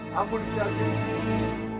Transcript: kamu ini yageng